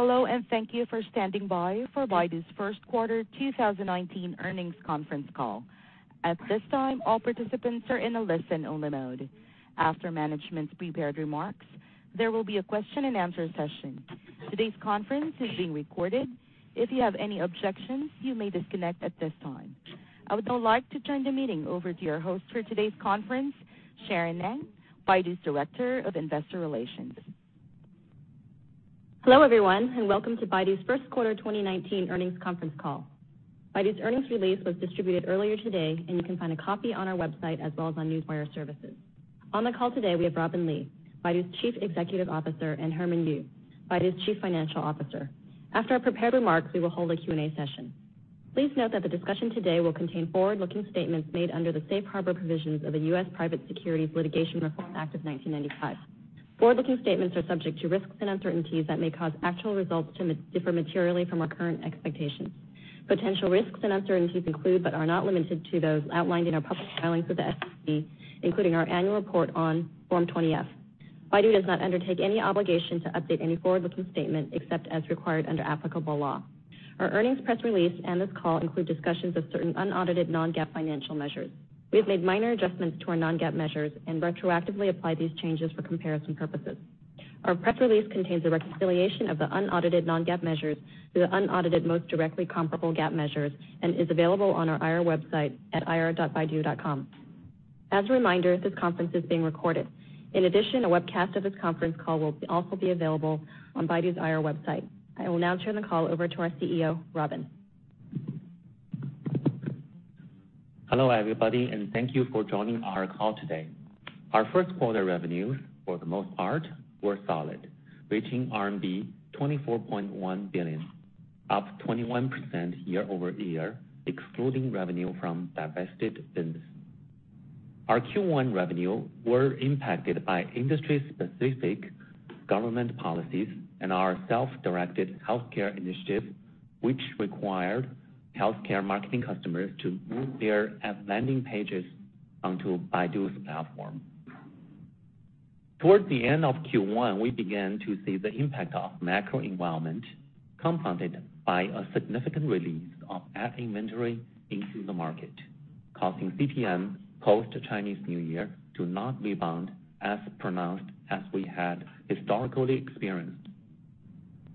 Hello, and thank you for standing by for Baidu's first quarter 2019 earnings conference call. At this time, all participants are in a listen-only mode. After management's prepared remarks, there will be a question and answer session. Today's conference is being recorded. If you have any objections, you may disconnect at this time. I would now like to turn the meeting over to your host for today's conference, Sharon Lam, Baidu's Director of Investor Relations. Hello, everyone, and welcome to Baidu's first quarter 2019 earnings conference call. Baidu's earnings release was distributed earlier today, and you can find a copy on our website as well as on Newswire services. On the call today, we have Robin Li, Baidu's Chief Executive Officer, and Herman Yu, Baidu's Chief Financial Officer. After our prepared remarks, we will hold a Q&A session. Please note that the discussion today will contain forward-looking statements made under the Safe Harbor Provisions of the U.S. Private Securities Litigation Reform Act of 1995. Forward-looking statements are subject to risks and uncertainties that may cause actual results to differ materially from our current expectations. Potential risks and uncertainties include, but are not limited to, those outlined in our public filings with the SEC, including our annual report on Form 20-F. Baidu does not undertake any obligation to update any forward-looking statement except as required under applicable law. Our earnings press release and this call include discussions of certain unaudited non-GAAP financial measures. We have made minor adjustments to our non-GAAP measures and retroactively apply these changes for comparison purposes. Our press release contains a reconciliation of the unaudited non-GAAP measures to the unaudited most directly comparable GAAP measures and is available on our IR website at ir.baidu.com. As a reminder, this conference is being recorded. In addition, a webcast of this conference call will also be available on Baidu's IR website. I will now turn the call over to our CEO, Robin. Hello, everybody, and thank you for joining our call today. Our first quarter revenues, for the most part, were solid, reaching CNY 24.1 billion, up 21% year-over-year, excluding revenue from divested business. Our Q1 revenue were impacted by industry-specific government policies and our self-directed healthcare initiative, which required healthcare marketing customers to move their ad landing pages onto Baidu's platform. Towards the end of Q1, we began to see the impact of macro environment, compounded by a significant release of ad inventory into the market, causing CPM post-Chinese New Year to not rebound as pronounced as we had historically experienced.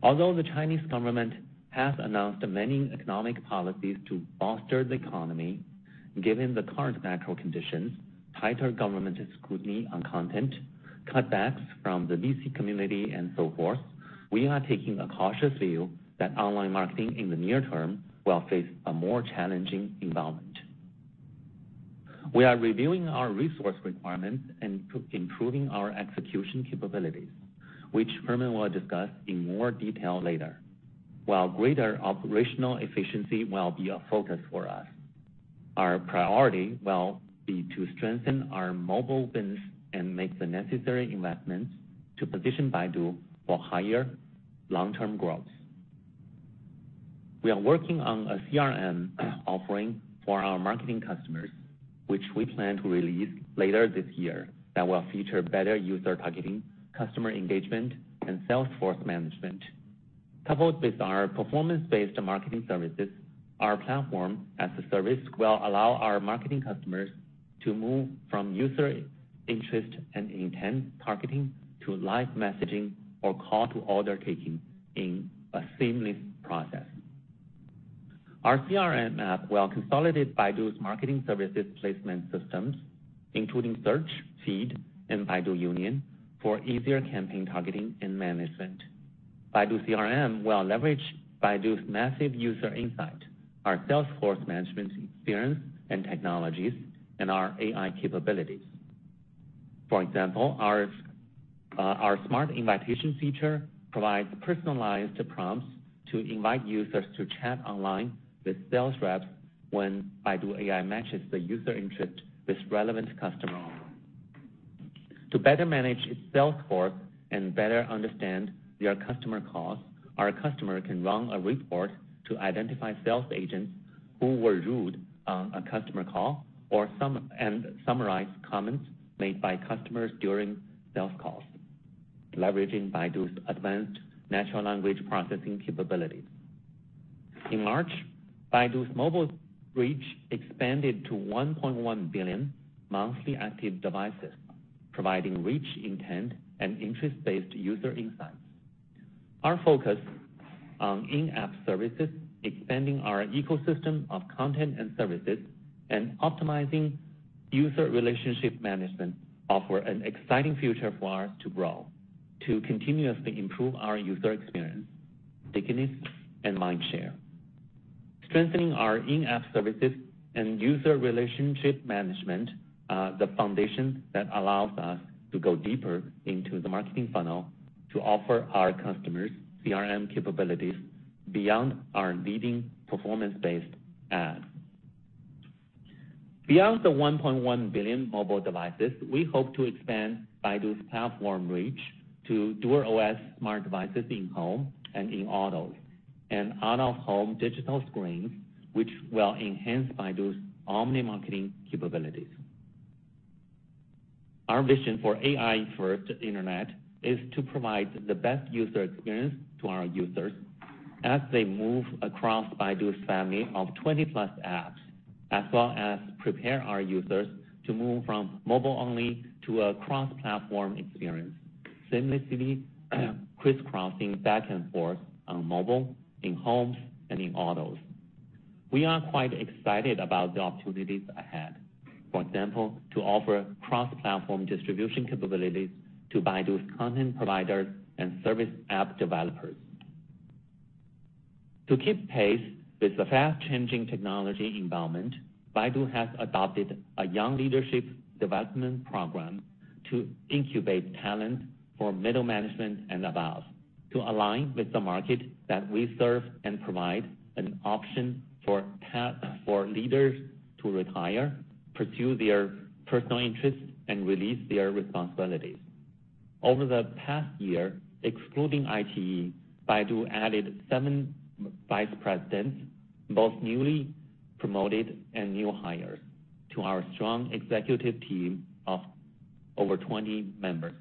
Although the Chinese government has announced many economic policies to foster the economy, given the current macro conditions, tighter government scrutiny on content, cutbacks from the VC community, and so forth, we are taking a cautious view that online marketing in the near term will face a more challenging environment. We are reviewing our resource requirements and improving our execution capabilities, which Herman will discuss in more detail later. While greater operational efficiency will be a focus for us, our priority will be to strengthen our mobile business and make the necessary investments to position Baidu for higher long-term growth. We are working on a CRM offering for our marketing customers, which we plan to release later this year that will feature better user targeting, customer engagement, and salesforce management. Coupled with our performance-based marketing services, our platform as a service will allow our marketing customers to move from user interest and intent targeting to live messaging or call to order taking in a seamless process. Our CRM app will consolidate Baidu's marketing services placement systems, including Search, Feed, and Baidu Union, for easier campaign targeting and management. Baidu CRM will leverage Baidu's massive user insight, our salesforce management experience and technologies, and our Baidu AI capabilities. For example, our smart invitation feature provides personalized prompts to invite users to chat online with sales reps when Baidu AI matches the user interest with relevant customer. To better manage its salesforce and better understand their customer calls, our customer can run a report to identify sales agents who were rude on a customer call and summarize comments made by customers during sales calls, leveraging Baidu's advanced natural language processing capabilities. In March, Baidu's mobile reach expanded to 1.1 billion monthly active devices, providing rich intent and interest-based user insights. Our focus on in-app services, expanding our ecosystem of content and services, and optimizing user relationship management offer an exciting future for us to grow, to continuously improve our user experience, stickiness, and mindshare. Strengthening our in-app services and user relationship management are the foundations that allows us to go deeper into the marketing funnel to offer our customers CRM capabilities beyond our leading performance-based ads. Beyond the 1.1 billion mobile devices, we hope to expand Baidu's platform reach to DuerOS smart devices in-home and in-autos, and out-of-home digital screens, which will enhance Baidu's omni-marketing capabilities. Our vision for AI-first internet is to provide the best user experience to our users as they move across Baidu's family of 20 plus apps, as well as prepare our users to move from mobile-only to a cross-platform experience, seamlessly crisscrossing back and forth on mobile, in homes, and in autos. We are quite excited about the opportunities ahead. For example, to offer cross-platform distribution capabilities to Baidu's content providers and service app developers. To keep pace with the fast-changing technology environment, Baidu has adopted a young leadership development program to incubate talent for middle management and above to align with the market that we serve and provide an option for leaders to retire, pursue their personal interests, and release their responsibilities. Over the past year, excluding IT, Baidu added seven vice presidents, both newly promoted and new hires, to our strong executive team of over 20 members.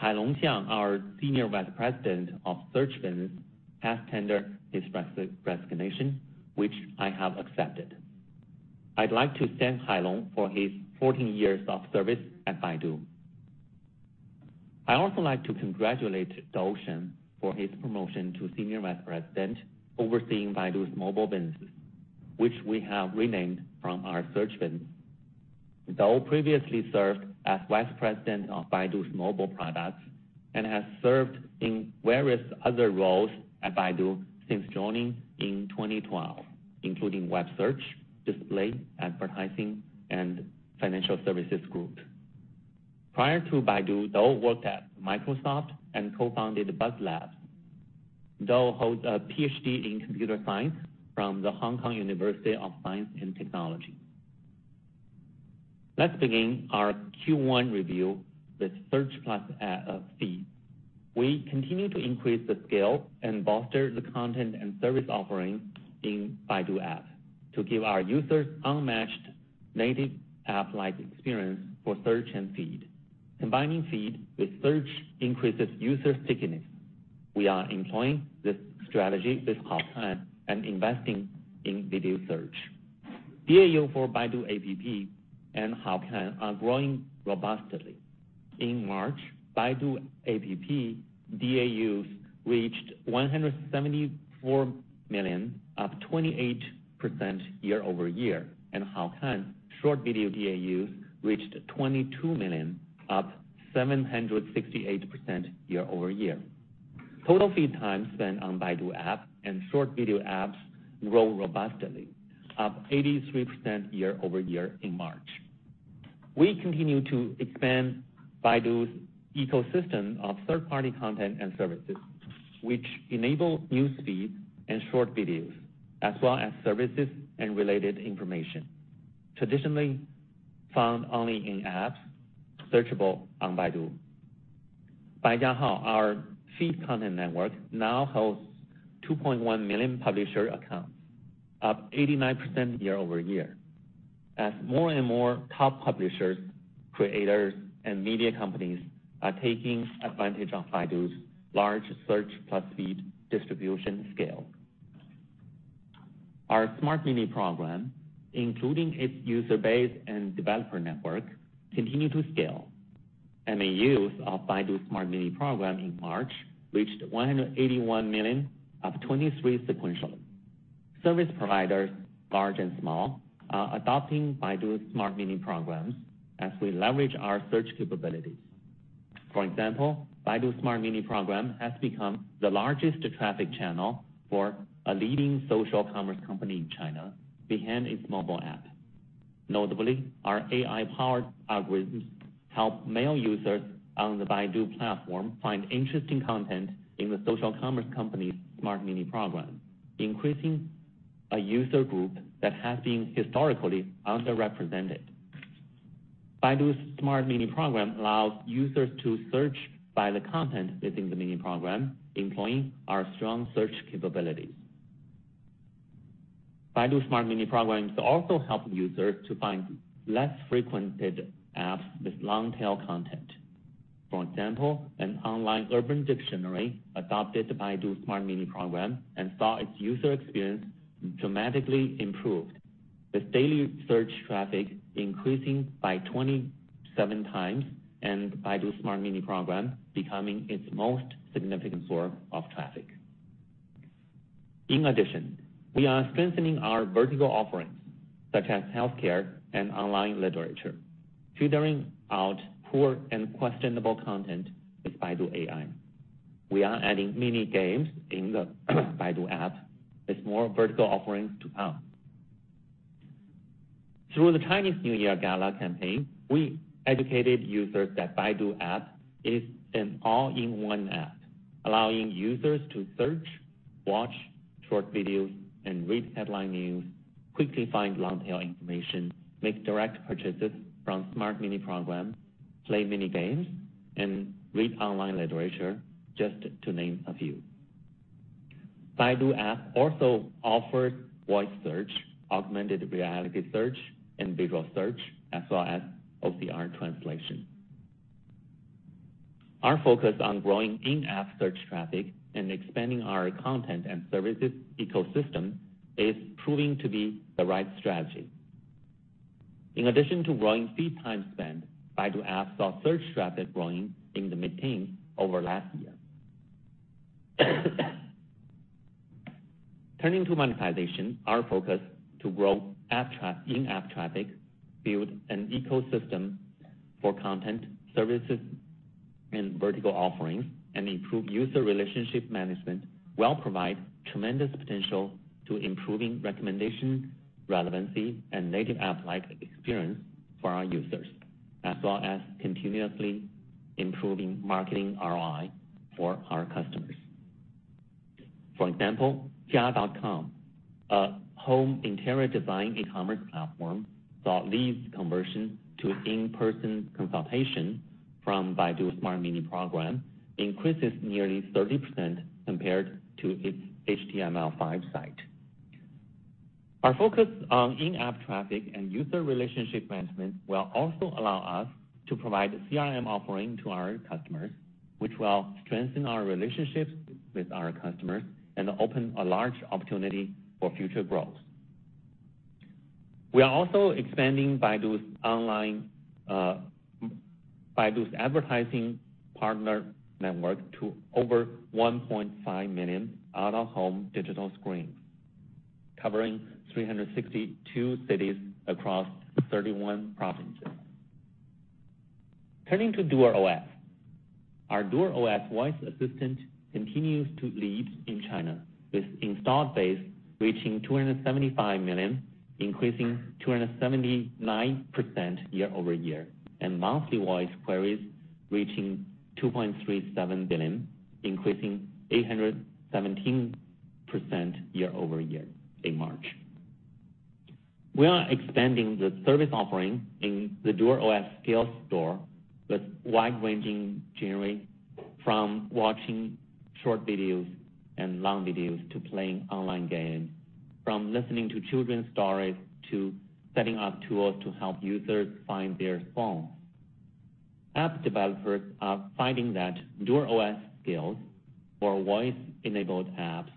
Hailong Xiang, our Senior Vice President of Search Business, has tendered his resignation, which I have accepted. I'd like to thank Hailong for his 14 years of service at Baidu. I also like to congratulate Dou Shen for his promotion to Senior Vice President overseeing Baidu's mobile businesses, which we have renamed from our search business. Dou previously served as Vice President of Baidu's mobile products and has served in various other roles at Baidu since joining in 2012, including search, display, advertising, and financial services group. Prior to Baidu, Dou worked at Microsoft and co-founded Buzz Lab. Dou holds a PhD in computer science from The Hong Kong University of Science and Technology. Let's begin our Q1 review with Search+Feed. We continue to increase the scale and bolster the content and service offerings in Baidu App to give our users unmatched native app-like experience for search and feed. Combining feed with search increases user stickiness. We are employing this strategy with Haokan and investing in video search. DAU for Baidu App and Haokan are growing robustly. In March, Baidu App DAUs reached 174 million, up 28% year-over-year, and Haokan short video DAUs reached 22 million, up 768% year-over-year. Total feed time spent on Baidu App and short video apps grow robustly, up 83% year-over-year in March. We continue to expand Baidu's ecosystem of third-party content and services, which enable news feeds and short videos, as well as services and related information traditionally found only in apps searchable on Baidu. Baijiahao, our feed content network, now hosts 2.1 million publisher accounts, up 89% year-over-year as more and more top publishers, creators, and media companies are taking advantage of Baidu's large Search+Feed distribution scale. Our Baidu Smart Mini Program, including its user base and developer network, continue to scale. MAUs of Baidu Smart Mini Program in March reached 181 million, up 23 sequentially. Service providers, large and small, are adopting Baidu Smart Mini Programs as we leverage our search capabilities. For example, Baidu Smart Mini Program has become the largest traffic channel for a leading social commerce company in China behind its mobile app. Notably, our AI-powered algorithms help male users on the Baidu platform find interesting content in the social commerce company's Baidu Smart Mini Program, increasing a user group that has been historically underrepresented. Baidu's Baidu Smart Mini Program allows users to search by the content within the mini program employing our strong search capabilities. Baidu Smart Mini Programs also help users to find less frequented apps with long-tail content. For example, an online urban dictionary adopted Baidu Smart Mini Program and saw its user experience dramatically improved, with daily search traffic increasing by 27 times, and Baidu Smart Mini Program becoming its most significant source of traffic. In addition, we are strengthening our vertical offerings such as healthcare and online literature, filtering out poor and questionable content with Baidu AI. We are adding mini games in the Baidu App with more vertical offerings to come. Through the Chinese New Year Gala campaign, we educated users that Baidu App is an all-in-one app, allowing users to search, watch short videos, and read headline news, quickly find long-tail information, make direct purchases from Baidu Smart Mini Program, play mini games, and read online literature, just to name a few. Baidu App also offers voice search, augmented reality search, and visual search, as well as OCR translation. Our focus on growing in-app search traffic and expanding our content and services ecosystem is proving to be the right strategy. In addition to growing feed time spent, Baidu App saw search traffic growing in the mid-teens over last year. Turning to monetization, our focus to grow in-app traffic, build an ecosystem for content, services, and vertical offerings, and improve user relationship management will provide tremendous potential to improving recommendation, relevancy, and native app-like experience for our users, as well as continuously improving marketing ROI for our customers. For example, jia.com, a home interior design e-commerce platform, saw leads conversion to in-person consultation from Baidu Smart Mini Program increases nearly 30% compared to its HTML5 site. Our focus on in-app traffic and user relationship management will also allow us to provide CRM offering to our customers, which will strengthen our relationships with our customers and open a large opportunity for future growth. We are also expanding Baidu's advertising partner network to over 1.5 million out of home digital screens, covering 362 cities across 31 provinces. Turning to DuerOS. Our DuerOS voice assistant continues to lead in China, with install base reaching 275 million, increasing 279% year-over-year, and monthly voice queries reaching 2.37 billion, increasing 817% year-over-year in March. We are expanding the service offering in the DuerOS skills store with wide ranging genres from watching short videos and long videos to playing online games, from listening to children's stories to setting up tools to help users find their phone. App developers are finding that DuerOS skills or voice-enabled apps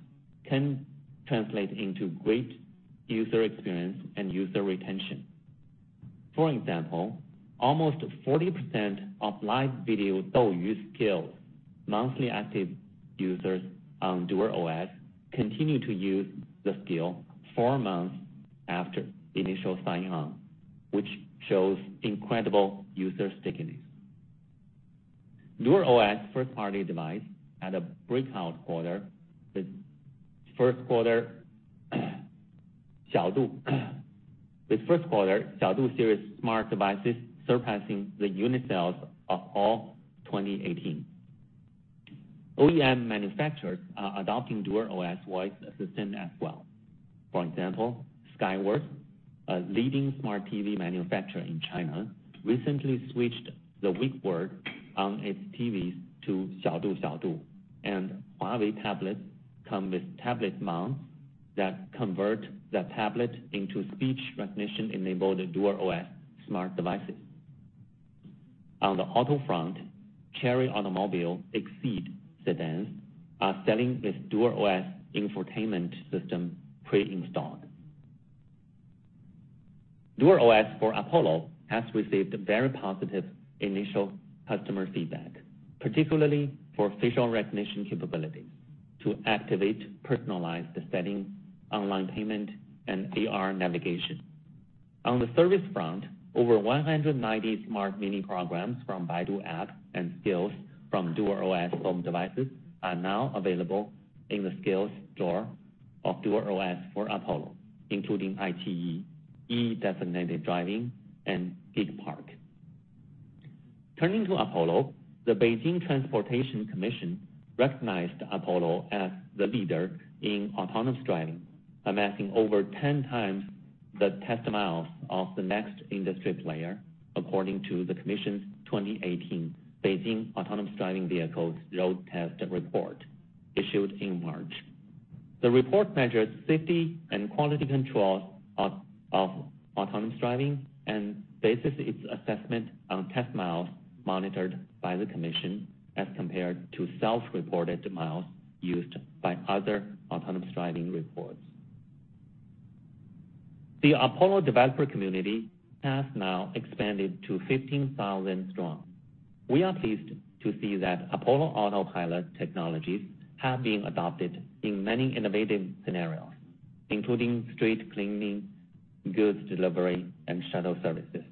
can translate into great user experience and user retention. For example, almost 40% of live video DouYu skills monthly active users on DuerOS continue to use the skill four months after initial signing on, which shows incredible user stickiness. DuerOS first party device had a breakout quarter with first quarter Xiaodu series smart devices surpassing the unit sales of all 2018. OEM manufacturers are adopting DuerOS voice assistant as well. For example, Skyworth, a leading smart TV manufacturer in China, recently switched the wake word on its TVs to "Xiaodu," and Huawei tablets come with tablet mounts that convert the tablet into speech recognition-enabled DuerOS smart devices. On the auto front, Chery Automobile Exeed sedans are selling with DuerOS infotainment system pre-installed. DuerOS for Apollo has received very positive initial customer feedback, particularly for facial recognition capabilities to activate personalized settings, online payment, and AR navigation. On the service front, over 190 smart mini programs from Baidu App and skills from DuerOS home devices are now available in the skills store of DuerOS for Apollo, including iQIYI, e-designated driving and [GigPark]. Turning to Apollo. The Beijing Municipal Commission of Transport recognized Apollo as the leader in autonomous driving, amassing over 10 times the test miles of the next industry player, according to the Commission's 2018 Beijing Autonomous Driving Vehicles Road Test report issued in March. The report measures safety and quality control of autonomous driving and bases its assessment on test miles monitored by the Commission as compared to self-reported miles used by other autonomous driving reports. The Apollo developer community has now expanded to 15,000 strong. We are pleased to see that Apollo autopilot technologies have been adopted in many innovative scenarios, including street cleaning, goods delivery, and shuttle services.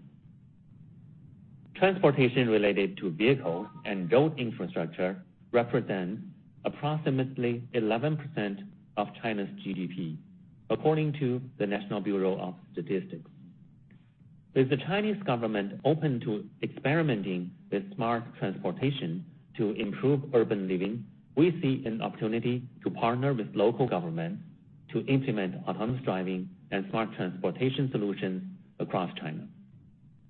Transportation related to vehicles and road infrastructure represent approximately 11% of China's GDP, according to the National Bureau of Statistics of China. With the Chinese government open to experimenting with smart transportation to improve urban living, we see an opportunity to partner with local governments to implement autonomous driving and smart transportation solutions across China.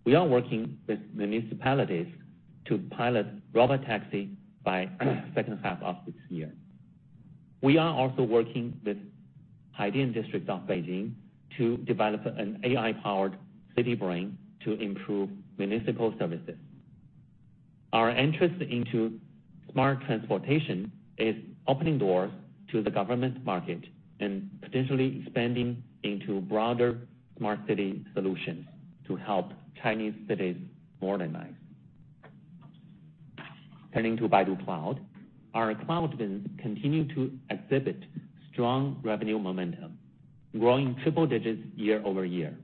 We are working with municipalities to pilot robot taxi by second half of this year. We are also working with Haidian District of Beijing to develop an AI-powered city brain to improve municipal services. Our interest into smart transportation is opening doors to the government market and potentially expanding into broader smart city solutions to help Chinese cities modernize. Turning to Baidu Cloud. Our cloud business continue to exhibit strong revenue momentum, growing triple digits year-over-year.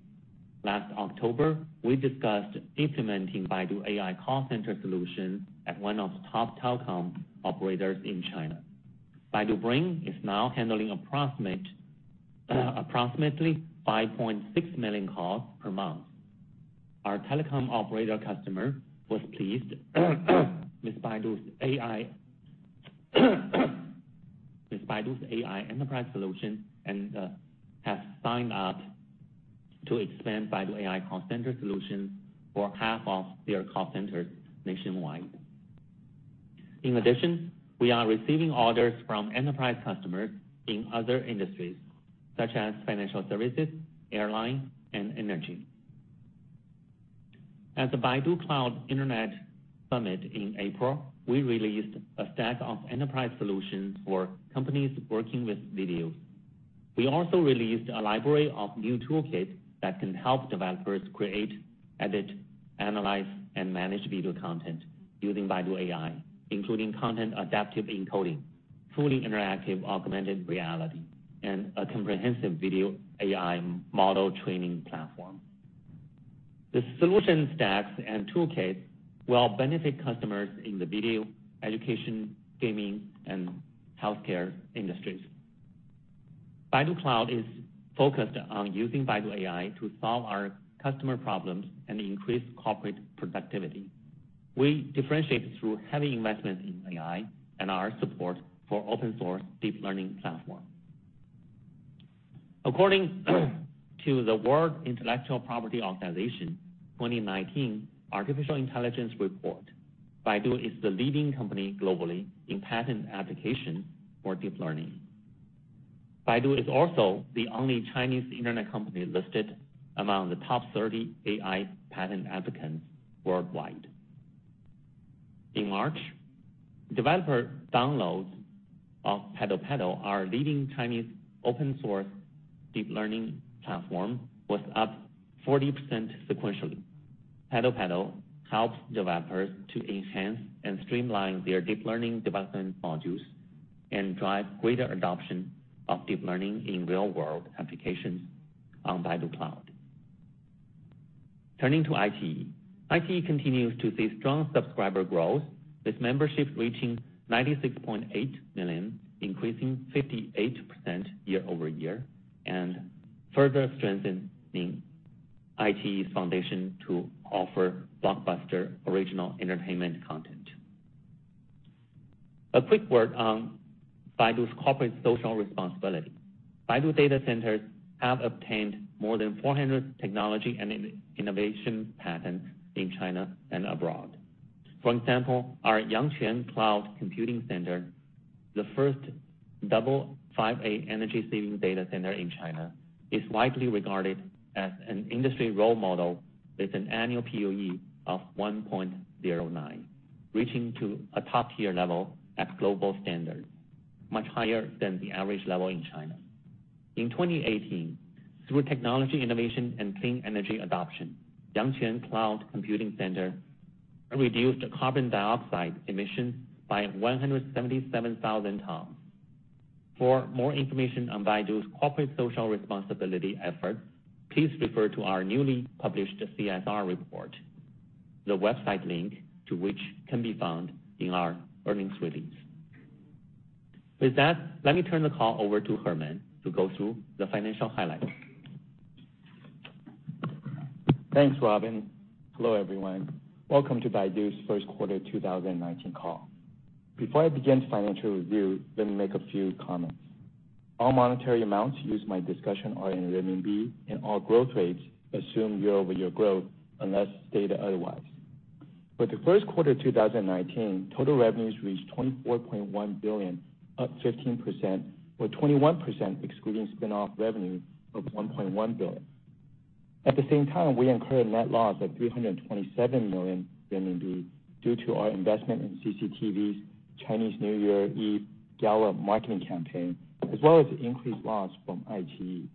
Last October, we discussed implementing Baidu AI call center solution at one of top telecom operators in China. Baidu Brain is now handling approximately 5.6 million calls per month. Our telecom operator customer was pleased with Baidu's AI Enterprise solution and have signed up to expand Baidu AI call center solutions for half of their call centers nationwide. In addition, we are receiving orders from enterprise customers in other industries, such as financial services, airline, and energy. At the Baidu Cloud Internet Summit in April, we released a stack of enterprise solutions for companies working with video. We also released a library of new toolkits that can help developers create, edit, analyze, and manage video content using Baidu AI, including content-adaptive encoding, fully interactive augmented reality, and a comprehensive video AI model training platform. The solution stacks and toolkits will benefit customers in the video, education, gaming, and healthcare industries. Baidu Cloud is focused on using Baidu AI to solve our customer problems and increase corporate productivity. We differentiate through heavy investment in AI and our support for open-source deep learning platform. According to the World Intellectual Property Organization 2019 Artificial Intelligence Report, Baidu is the leading company globally in patent applications for deep learning. Baidu is also the only Chinese internet company listed among the top 30 AI patent applicants worldwide. In March, developer downloads of PaddlePaddle, our leading Chinese open-source deep learning platform, was up 40% sequentially. PaddlePaddle helps developers to enhance and streamline their deep learning development modules and drive greater adoption of deep learning in real-world applications on Baidu Cloud. Turning to iQIYI. iQIYI continues to see strong subscriber growth, with membership reaching 96.8 million, increasing 58% year-over-year, and further strengthening iQIYI's foundation to offer blockbuster original entertainment content. A quick word on Baidu's corporate social responsibility. Baidu data centers have obtained more than 400 technology and innovation patents in China and abroad. For example, our Yangquan cloud computing center, the first double 5A energy saving data center in China, is widely regarded as an industry role model with an annual PUE of 1.09, reaching to a top tier level at global standard, much higher than the average level in China. In 2018, through technology innovation and clean energy adoption, Yangquan cloud computing center reduced carbon dioxide emissions by 177,000 tons. For more information on Baidu's corporate social responsibility effort, please refer to our newly published CSR report, the website link to which can be found in our earnings release. With that, let me turn the call over to Herman to go through the financial highlights. Thanks, Robin. Hello, everyone. Welcome to Baidu's first quarter 2019 call. Before I begin the financial review, let me make a few comments. All monetary amounts used in my discussion are in CNY, and all growth rates assume year-over-year growth unless stated otherwise. For the first quarter 2019, total revenues reached 24.1 billion, up 15%, or 21% excluding spinoff revenue of 1.1 billion. At the same time, we incurred net loss of CNY 327 million due to our investment in CCTV's Chinese New Year Gala marketing campaign, as well as increased loss from iQIYI.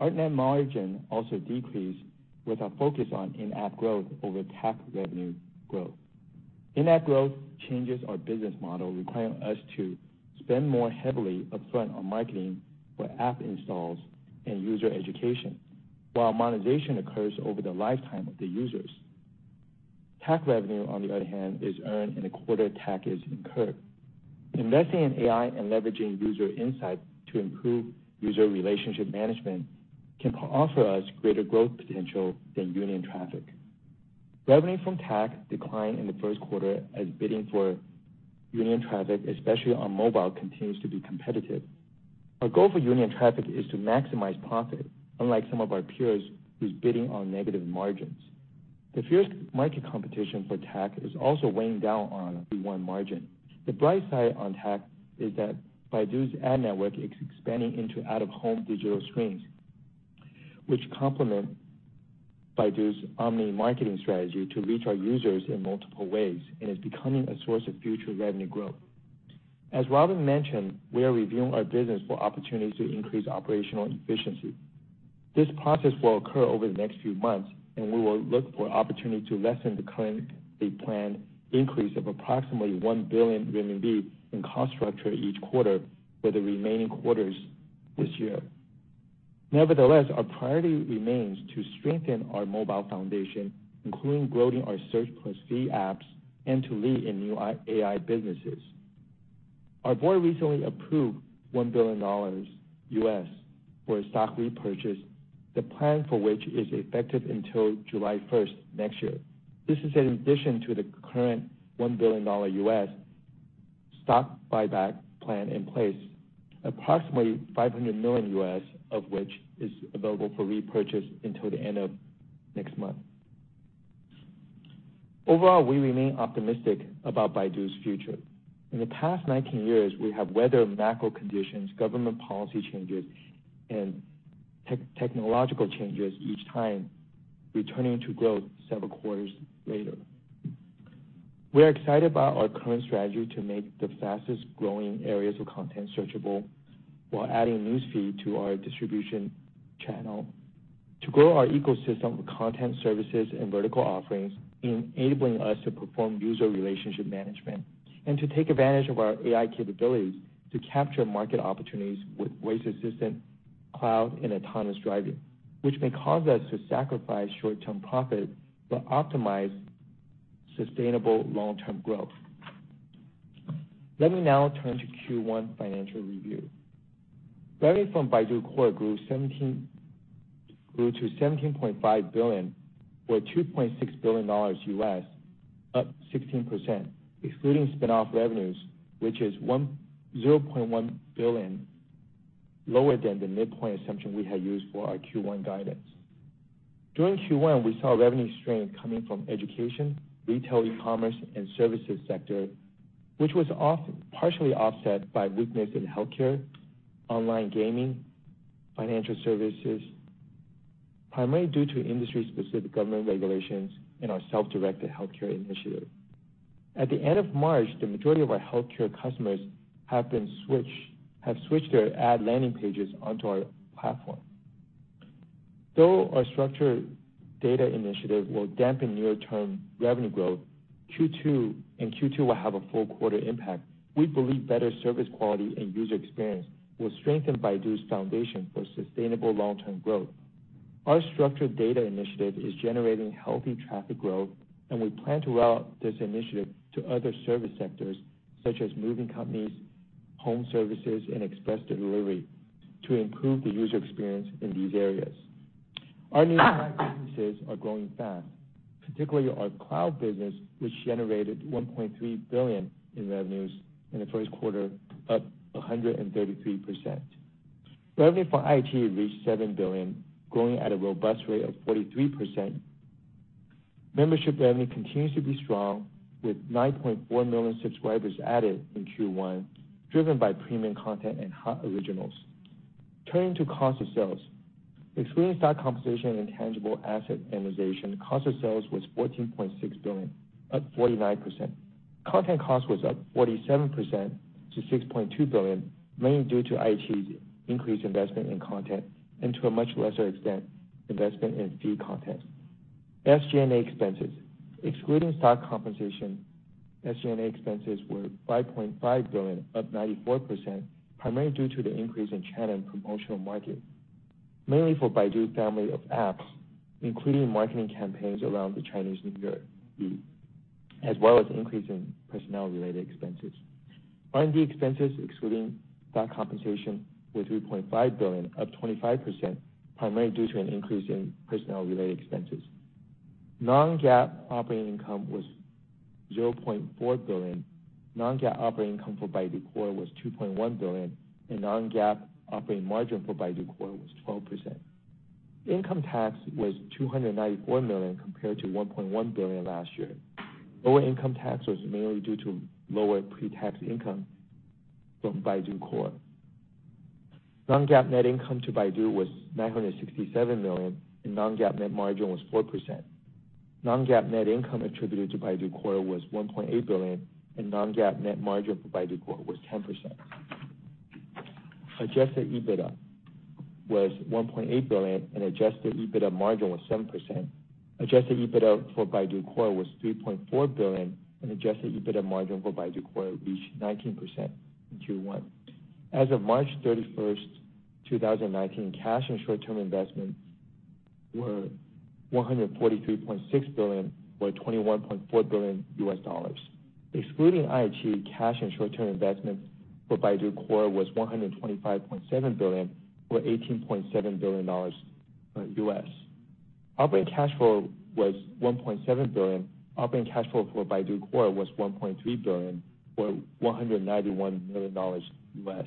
Our net margin also decreased with our focus on in-app growth over TAC revenue growth. In-app growth changes our business model, requiring us to spend more heavily upfront on marketing for app installs and user education, while monetization occurs over the lifetime of the users. TAC revenue, on the other hand, is earned in the quarter TAC is incurred. Investing in AI and leveraging user insight to improve user relationship management can offer us greater growth potential than Union traffic. Revenue from TAC declined in the first quarter as bidding for Union traffic, especially on mobile, continues to be competitive. Our goal for Union traffic is to maximize profit, unlike some of our peers who's bidding on negative margins. The fierce market competition for TAC is also weighing down on Q1 margin. The bright side on TAC is that Baidu's ad network is expanding into out-of-home digital screens, which complement Baidu's omni-marketing strategy to reach our users in multiple ways and is becoming a source of future revenue growth. As Robin mentioned, we are reviewing our business for opportunities to increase operational efficiency. This process will occur over the next few months, and we will look for opportunity to lessen the currently planned increase of approximately 1 billion RMB in cost structure each quarter for the remaining quarters this year. Nevertheless, our priority remains to strengthen our mobile foundation, including growing our search plus fee apps and to lead in new AI businesses. Our board recently approved $1 billion for a stock repurchase, the plan for which is effective until July 1st next year. This is in addition to the current $1 billion stock buyback plan in place, approximately $500 million of which is available for repurchase until the end of next month. Overall, we remain optimistic about Baidu's future. In the past 19 years, we have weathered macro conditions, government policy changes, and technological changes each time, returning to growth several quarters later. We're excited about our current strategy to make the fastest-growing areas of content searchable while adding news feed to our distribution channel to grow our ecosystem of content services and vertical offerings, enabling us to perform user relationship management and to take advantage of our AI capabilities to capture market opportunities with voice assistant, cloud, and autonomous driving, which may cause us to sacrifice short-term profit but optimize sustainable long-term growth. Let me now turn to Q1 financial review. Revenue from Baidu Core grew to 17.5 billion, or $2.6 billion, up 16%, excluding spinoff revenues, which is 0.1 billion lower than the midpoint assumption we had used for our Q1 guidance. During Q1, we saw revenue strength coming from education, retail e-commerce, and services sector, which was partially offset by weakness in healthcare, online gaming, financial services, primarily due to industry-specific government regulations and our self-directed healthcare initiative. At the end of March, the majority of our healthcare customers have switched their ad landing pages onto our platform. Though our structured data initiative will dampen near-term revenue growth, and Q2 will have a full quarter impact, we believe better service quality and user experience will strengthen Baidu's foundation for sustainable long-term growth. Our structured data initiative is generating healthy traffic growth, and we plan to roll out this initiative to other service sectors such as moving companies, home services, and express delivery to improve the user experience in these areas. Our new AI businesses are growing fast, particularly our cloud business, which generated 1.3 billion in revenues in the first quarter, up 133%. Revenue for iQIYI reached 7 billion, growing at a robust rate of 43%. Membership revenue continues to be strong, with 9.4 million subscribers added in Q1, driven by premium content and hot originals. Turning to cost of sales. Excluding stock compensation and intangible asset amortization, cost of sales was 14.6 billion, up 49%. Content cost was up 47% to 6.2 billion, mainly due to iQIYI's increased investment in content and to a much lesser extent, investment in fee content. SG&A expenses. Excluding stock compensation, SG&A expenses were 5.5 billion, up 94%, primarily due to the increase in channel and promotional marketing, mainly for Baidu's family of apps, including marketing campaigns around the Chinese New Year, as well as increase in personnel-related expenses. R&D expenses excluding stock compensation were 3.5 billion, up 25%, primarily due to an increase in personnel-related expenses. Non-GAAP operating income was 0.4 billion. Non-GAAP operating income for Baidu Core was 2.1 billion, and non-GAAP operating margin for Baidu Core was 12%. Income tax was 294 million compared to 1.1 billion last year. Lower income tax was mainly due to lower pre-tax income from Baidu Core. Non-GAAP net income to Baidu was 967 million, and non-GAAP net margin was 4%. Non-GAAP net income attributed to Baidu Core was 1.8 billion, and non-GAAP net margin for Baidu Core was 10%. Adjusted EBITDA was 1.8 billion, and adjusted EBITDA margin was 7%. Adjusted EBITDA for Baidu Core was 3.4 billion, and adjusted EBITDA margin for Baidu Core reached 19% in Q1. As of March 31st, 2019, cash and short-term investments were 143.6 billion, or $21.4 billion. Excluding iQIYI, cash and short-term investments for Baidu Core was 125.7 billion, or $18.7 billion. Operating cash flow was $1.7 billion. Operating cash flow for Baidu Core was $1.3 billion or $191 million less.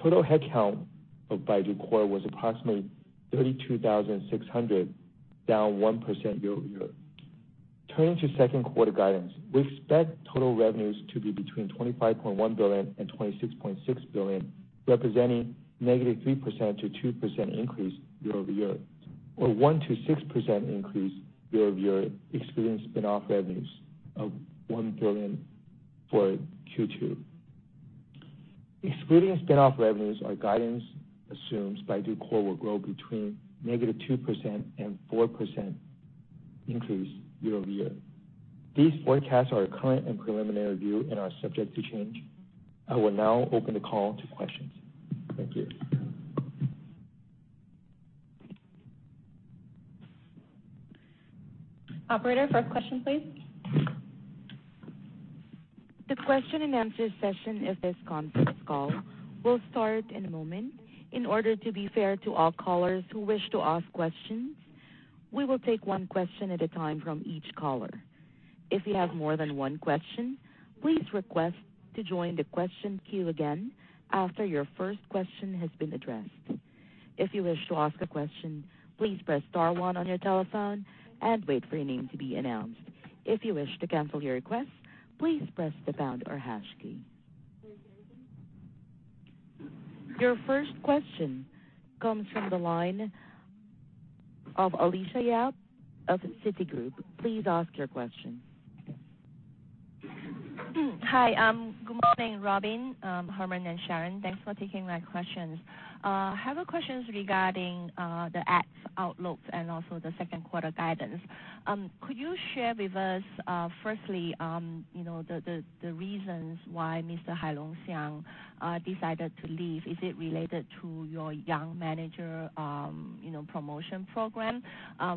Total headcount of Baidu Core was approximately 32,600, down 1% year-over-year. Turning to second quarter guidance, we expect total revenues to be between 25.1 billion and 26.6 billion, representing negative 3% to 2% increase year-over-year, or 1% to 6% increase year-over-year, excluding spinoff revenues of 1 billion for Q2. Excluding spinoff revenues, our guidance assumes Baidu Core will grow between negative 2% and 4% increase year-over-year. These forecasts are our current and preliminary view and are subject to change. I will now open the call to questions. Thank you. Operator, first question please. The question and answer session of this conference call will start in a moment. In order to be fair to all callers who wish to ask questions, we will take one question at a time from each caller. If you have more than one question, please request to join the question queue again after your first question has been addressed. If you wish to ask a question, please press star one on your telephone and wait for your name to be announced. If you wish to cancel your request, please press the pound or hash key. Your first question comes from the line of Alicia Yap of Citigroup. Please ask your question. Hi. Good morning, Robin, Herman, and Sharon. Thanks for taking my questions. I have a question regarding the ad outlook and also the second quarter guidance. Could you share with us, firstly the reasons why Mr. Hailong Xiang decided to leave? Is it related to your young manager promotion program?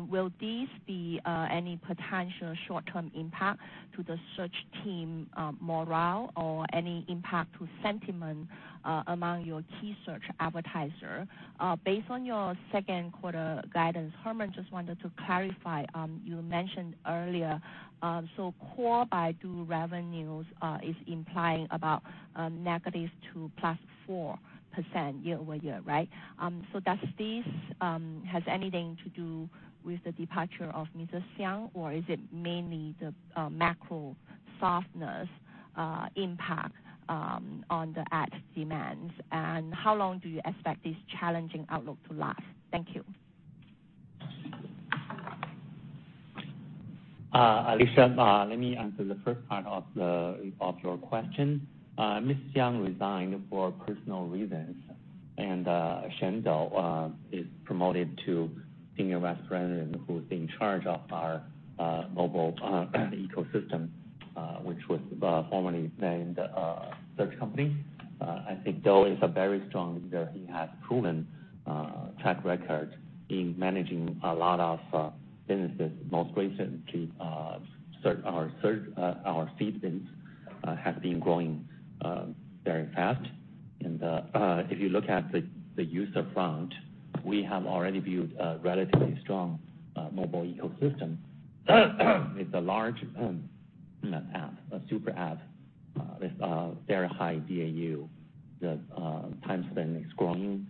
Will these be any potential short-term impact to the search team morale or any impact to sentiment among your key search advertiser? Based on your second quarter guidance, Herman, just wanted to clarify, you mentioned earlier, Baidu Core revenues is implying about -2% to +4% year-over-year, right? Does this have anything to do with the departure of Mr. Xiang, or is it mainly the macro softness impact on the ad demands, and how long do you expect this challenging outlook to last? Thank you. Alicia, let me answer the first part of your question. Mr. Xiang resigned for personal reasons and Dou Shen is promoted to Senior Vice President who's in charge of our Mobile Ecosystem which was formerly named Search Company. Dou is a very strong leader. He has proven track record in managing a lot of businesses. Most recently, our feed business has been growing very fast and if you look at the user front, we have already built a relatively strong Mobile Ecosystem with a large app, a super app with very high DAU. The time spent is growing,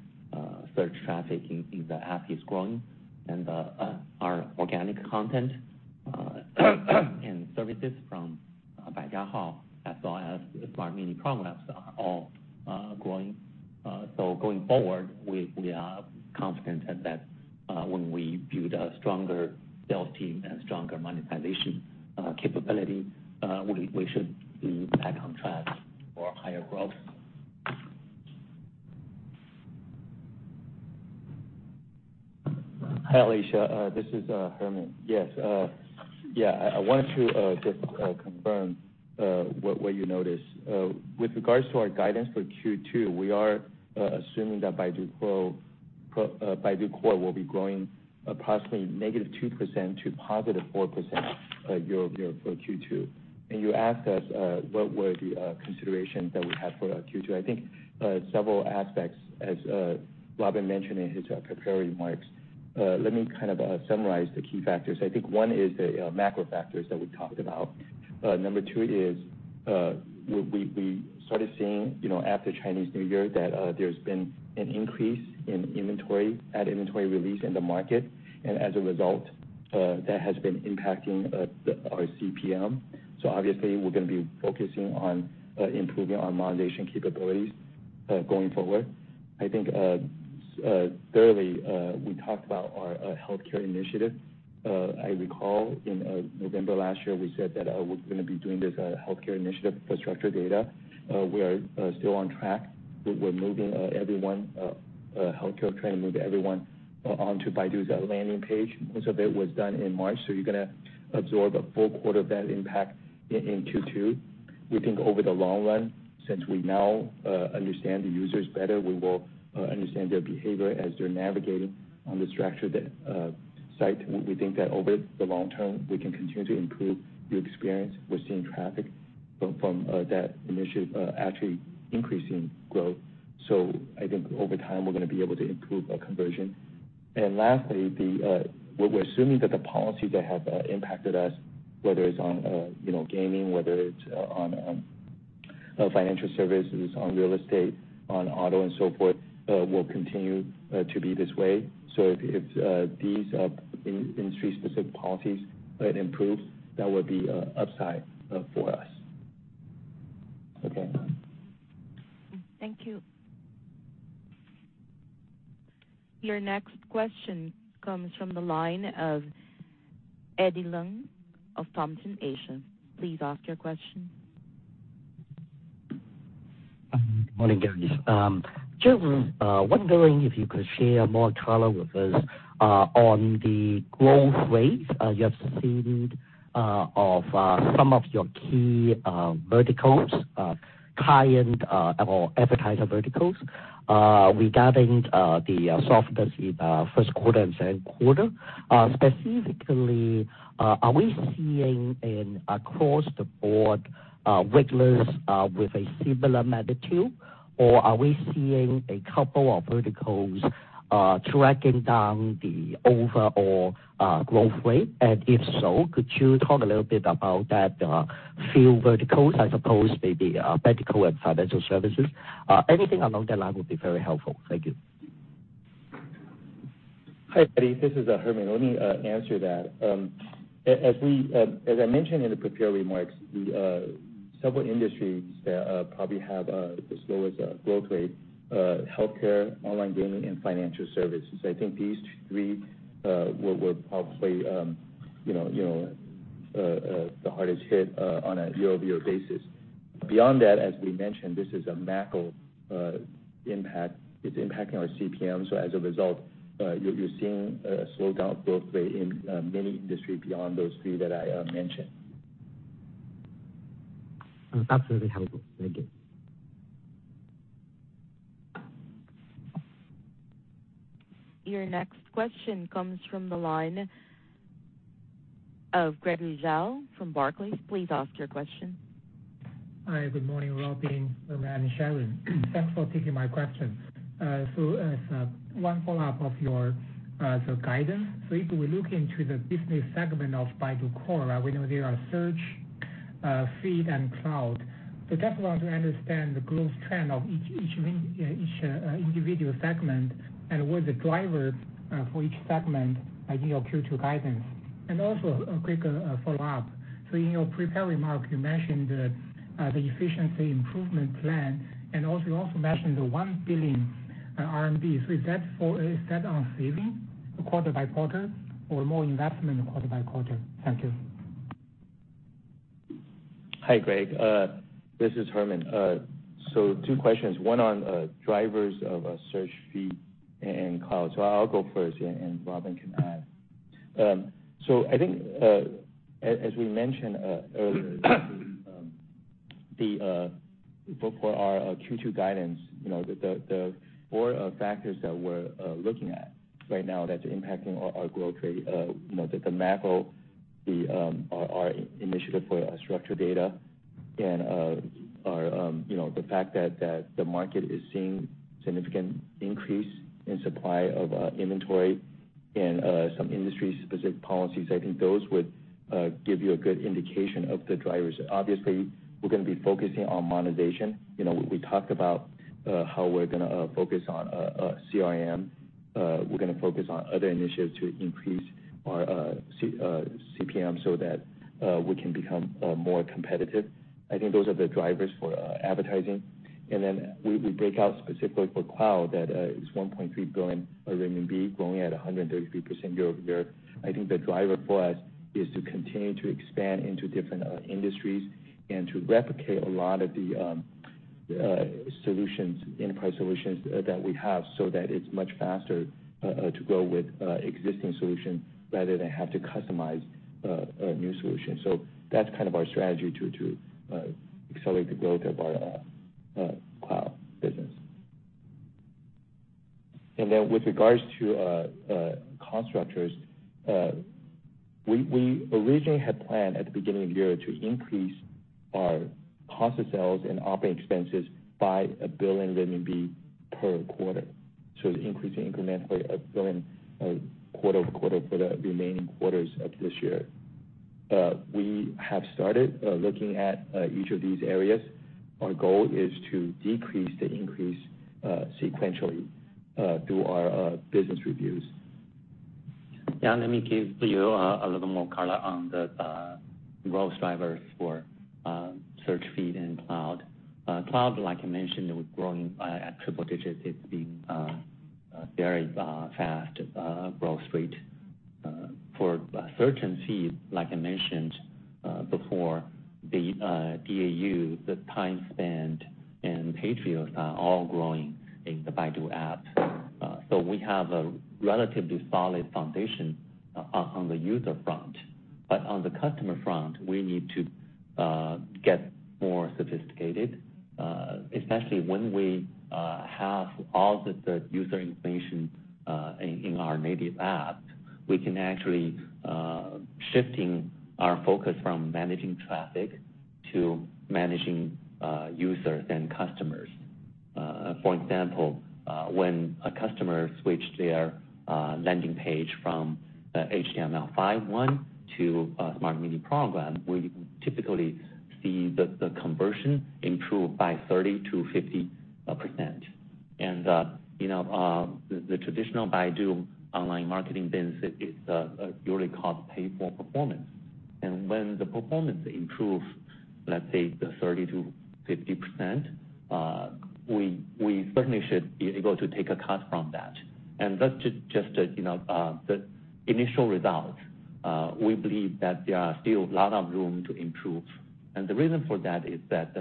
search traffic in the app is growing and our organic content and services from Baijiahao as well as our Mini Program apps are all growing. Going forward, we are confident that when we build a stronger sales team and stronger monetization capability, we should be back on track for higher growth. Hi, Alicia. This is Herman. Yes. I wanted to just confirm what you noticed. With regards to our guidance for Q2, we are assuming that Baidu Core will be growing approximately negative 2% to positive 4% year-over-year for Q2. You asked us what were the considerations that we have for Q2. I think several aspects, as Robin mentioned in his preparing remarks. Let me kind of summarize the key factors. I think one is the macro factors that we talked about. Number two is we started seeing after Chinese New Year that there's been an increase in inventory, ad inventory release in the market and as a result, that has been impacting our CPM. Obviously, we're going to be focusing on improving our monetization capabilities going forward. I think thirdly, we talked about our healthcare initiative. I recall in November last year, we said that we're going to be doing this healthcare initiative for structured data. We are still on track. We're moving everyone, healthcare, trying to move everyone onto Baidu's landing page. Most of it was done in March, so you're going to absorb a full quarter of that impact in Q2. We think over the long run, since we now understand the users better, we will understand their behavior as they're navigating on the structured data site. We think that over the long term, we can continue to improve the experience. We're seeing traffic from that initiative actually increasing growth. I think over time, we're going to be able to improve our conversion. Lastly, we're assuming that the policies that have impacted us, whether it's on gaming, whether it's on financial services, on real estate, on auto and so forth, will continue to be this way. If these industry-specific policies improve, that would be upside for us. Okay. Thank you. Your next question comes from the line of Eddie Leung of Thompson Asia. Please ask your question. Morning, guys. Sharon, wondering if you could share more color with us on the growth rates you have seen of some of your key verticals, client or advertiser verticals, regarding the softness in first quarter and second quarter. Specifically, are we seeing an across-the-board weakness with a similar magnitude, or are we seeing a couple of verticals tracking down the overall growth rate? If so, could you talk a little bit about that few verticals, I suppose maybe medical and financial services? Anything along that line would be very helpful. Thank you. Hi, Eddie. This is Herman. Let me answer that. As I mentioned in the prepared remarks, several industries probably have the slowest growth rate: healthcare, online gaming, and financial services. I think these three were probably the hardest hit on a year-over-year basis. Beyond that, as we mentioned, this is a macro impact. It is impacting our CPM. As a result, you are seeing a slowed down growth rate in many industries beyond those three that I mentioned. Absolutely helpful. Thank you. Your next question comes from the line of Gregory Zhao from Barclays. Please ask your question. Hi, good morning, Robin, Herman, and Sharon. Thanks for taking my question. As one follow-up of your guidance. If we look into the business segment of Baidu Core, we know there are search, feed, and cloud. Just want to understand the growth trend of each individual segment and what are the drivers for each segment in your Q2 guidance. A quick follow-up. In your prepared remark, you mentioned the efficiency improvement plan, and you also mentioned the 1 billion RMB. Is that on saving quarter-by-quarter or more investment quarter-by-quarter? Thank you. Hi, Greg. This is Herman. Two questions, one on drivers of search, feed, and cloud. I'll go first here, and Robin can add. I think, as we mentioned earlier, before our Q2 guidance, the four factors that we're looking at right now that are impacting our growth rate: the macro, our initiative for structured data, and the fact that the market is seeing significant increase in supply of inventory and some industry-specific policies. I think those would give you a good indication of the drivers. Obviously, we're going to be focusing on monetization. We talked about how we're going to focus on CRM. We're going to focus on other initiatives to increase our CPM so that we can become more competitive. I think those are the drivers for advertising. We break out specifically for cloud. That is 1.3 billion RMB growing at 133% year-over-year. I think the driver for us is to continue to expand into different industries and to replicate a lot of the enterprise solutions that we have so that it's much faster to go with existing solution rather than have to customize a new solution. That's kind of our strategy to accelerate the growth of our cloud business. With regards to cost structures, we originally had planned at the beginning of the year to increase our cost of sales and operating expenses by 1 billion RMB per quarter. Increasing incrementally 1 billion quarter-over-quarter for the remaining quarters of this year. We have started looking at each of these areas. Our goal is to decrease the increase sequentially through our business reviews. Yeah, let me give you a little more color on the growth drivers for search, feed, and cloud. Cloud, like I mentioned, was growing at triple digits. It has been a very fast growth rate. For search and feed, like I mentioned before, the DAU, the time spent, and paid users are all growing in the Baidu App. We have a relatively solid foundation on the user front. On the customer front, we need to get more sophisticated, especially when we have all the user information in our native apps. We can actually shift our focus from managing traffic to managing users and customers. For example, when a customer switched their landing page from HTML5 1 to a Smart Mini Program, we typically see the conversion improve by 30%-50%. The traditional Baidu online marketing business is usually cost pay for performance. When the performance improves, let's say the 30%-50%, we certainly should be able to take a cut from that. That's just the initial result. We believe that there is still a lot of room to improve. The reason for that is that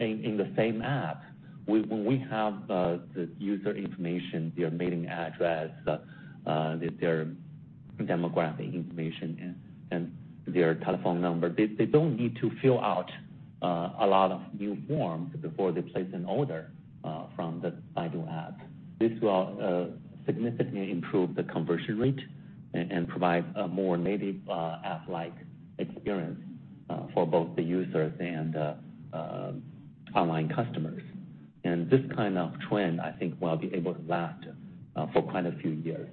in the same app, when we have the user information, their mailing address, their demographic information, and their telephone number, they do not need to fill out a lot of new forms before they place an order from the Baidu App. This will significantly improve the conversion rate and provide a more native app-like experience for both the users and online customers. This kind of trend, I think, will be able to last for quite a few years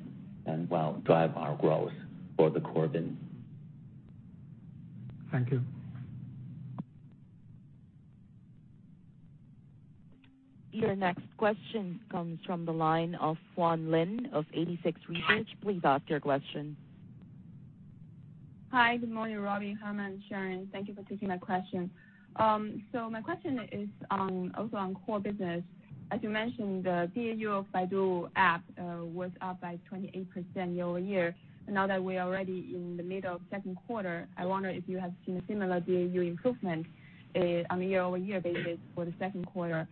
and will drive our growth for the core business. Thank you. Your next question comes from the line of Juan Lin of 86Research. Please ask your question. Hi, good morning, Robin, Herman, Sharon. Thank you for taking my question. My question is also on core business. As you mentioned, the DAU of Baidu App was up by 28% year-over-year. Now that we are already in the middle of second quarter, I wonder if you have seen a similar DAU improvement on a year-over-year basis for the second quarter.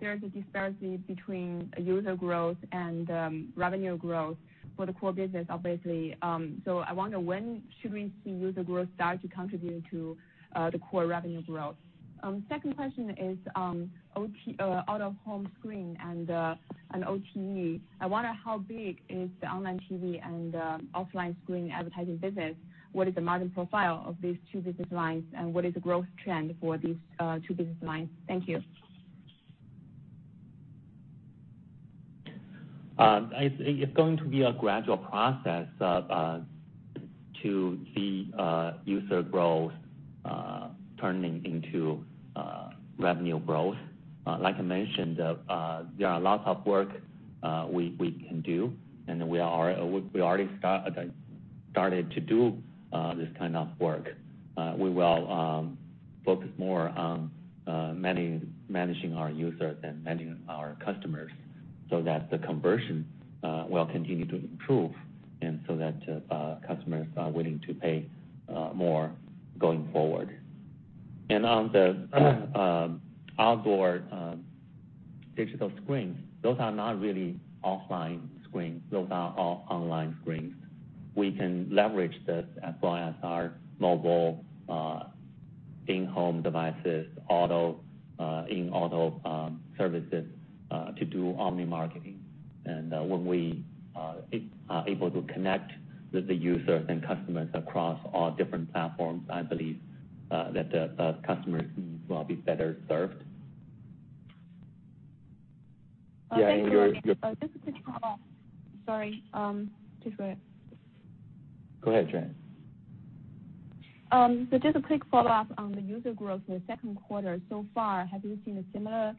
There is a disparity between user growth and revenue growth for the core business, obviously. I wonder when should we see user growth start to contribute to the core revenue growth? Second question is out-of-home screen and OTT. I wonder how big is the online TV and offline screen advertising business? What is the margin profile of these two business lines, and what is the growth trend for these two business lines? Thank you. It's going to be a gradual process to see user growth turning into revenue growth. Like I mentioned, there are lots of work we can do, and we already started to do this kind of work. We will focus more on managing our users and managing our customers so that the conversion will continue to improve, and so that customers are willing to pay more going forward. On the outdoor digital screens, those are not really offline screens. Those are all online screens. We can leverage this as well as our mobile in-home devices, in auto services, to do omni-marketing. When we are able to connect with the users and customers across all different platforms, I believe that the customers' needs will be better served. Yeah, and your- Thank you very much. Just a quick follow-up. Sorry. Just wait. Go ahead, Juan. Just a quick follow-up on the user growth in the second quarter. Far, have you seen a similar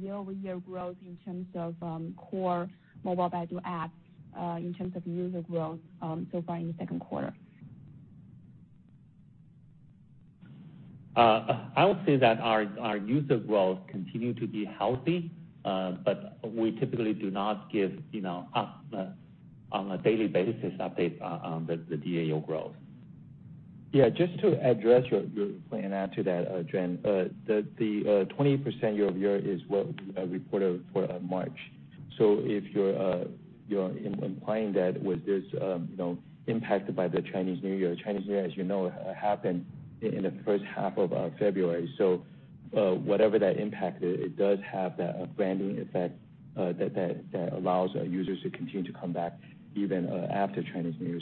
year-over-year growth in terms of core mobile Baidu apps in terms of user growth far in the second quarter? I would say that our user growth continue to be healthy, but we typically do not give on a daily basis update on the DAU growth. Yeah, just to address your point and add to that, Juan, the 20% year-over-year is what we reported for March. If you're implying that was this impacted by the Chinese New Year. Chinese New Year, as you know, happened in the first half of February. Whatever that impact is, it does have that branding effect that allows our users to continue to come back even after Chinese New Year.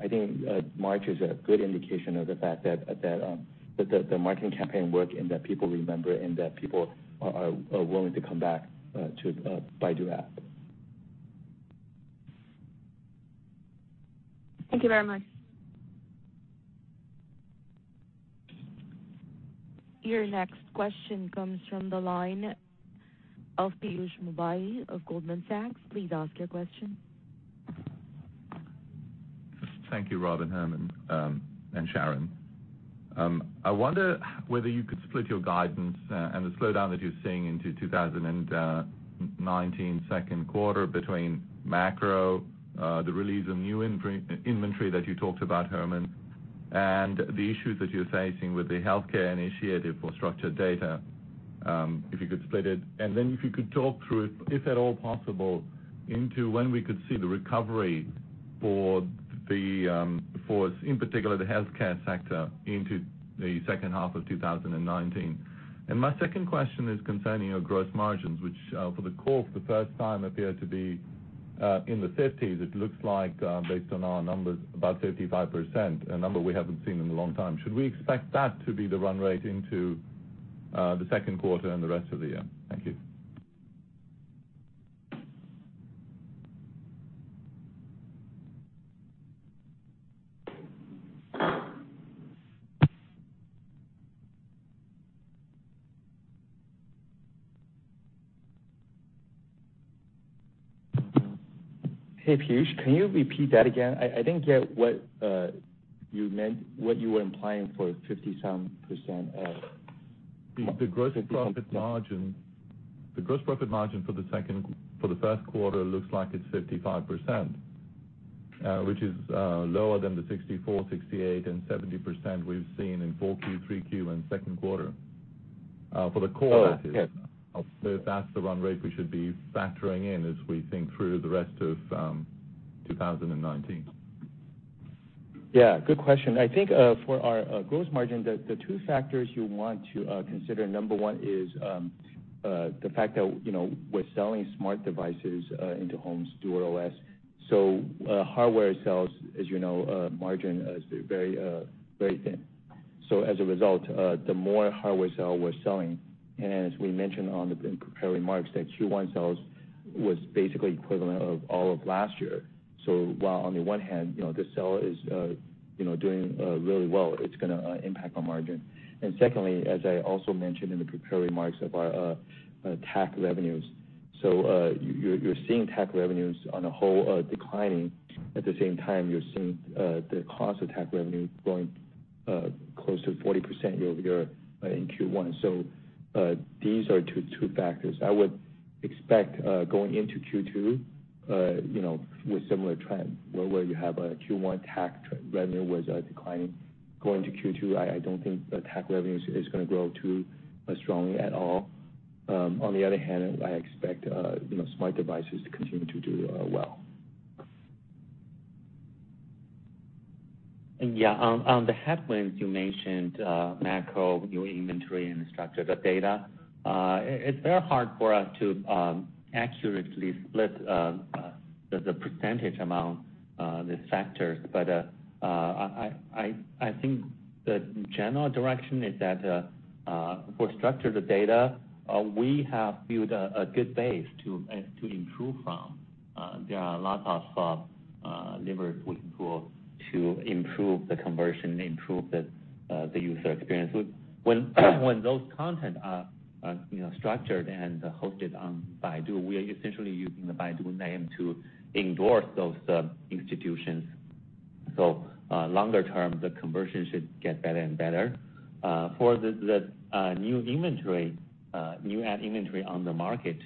I think March is a good indication of the fact that the marketing campaign work and that people remember, and that people are willing to come back to Baidu App. Thank you very much. Your next question comes from the line of Piyush Mubayi of Goldman Sachs. Please ask your question. Thank you, Rob, and Herman, and Sharon. I wonder whether you could split your guidance and the slowdown that you're seeing into 2019 second quarter between macro, the release of new inventory that you talked about, Herman, and the issues that you're facing with the healthcare initiative for structured data, if you could split it. Then if you could talk through, if at all possible, into when we could see the recovery for, in particular, the healthcare sector into the second half of 2019. My second question is concerning your gross margins, which for the Core for the first time appear to be in the 50s, it looks like, based on our numbers, about 35%, a number we haven't seen in a long time. Should we expect that to be the run rate into the second quarter and the rest of the year? Thank you. Hey, Piyush, can you repeat that again? I didn't get what you were implying for 50-some%. The gross profit margin for the first quarter looks like it's 55%, which is lower than the 64%, 68%, and 70% we've seen in four Q3, Q and second quarter. For the core, that is. Oh, yes. If that's the run rate we should be factoring in as we think through the rest of 2019. Yeah, good question. I think for our gross margin, the two factors you want to consider, number one is the fact that we're selling smart devices into homes, DuerOS. Hardware sales, as you know, margin is very thin. As a result, the more hardware sale we're selling, and as we mentioned in the prepared remarks, that Q1 sales was basically equivalent of all of last year. While on the one hand, this sale is doing really well, it's going to impact our margin. Secondly, as I also mentioned in the prepared remarks of our TAC revenues. You're seeing TAC revenues on a whole declining. At the same time, you're seeing the cost of TAC revenue growing close to 40% year-over-year in Q1. These are two factors I would expect going into Q2 with similar trend, where you have a Q1 TAC revenue was declining. Going to Q2, I don't think the TAC revenue is going to grow too strongly at all. On the other hand, I expect smart devices to continue to do well. On the headwinds, you mentioned macro, new inventory, and structured data. It's very hard for us to accurately split the percentage among the factors, but I think the general direction is that for structured data, we have built a good base to improve from. There are a lot of levers we can pull to improve the conversion, improve the user experience. When those content are structured and hosted on Baidu, we are essentially using the Baidu name to endorse those institutions. Longer term, the conversion should get better and better. For the new ad inventory on the market,